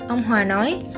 ông hòa nói